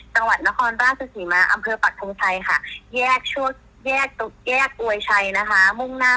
จังหวัดนครราชสุศีมะ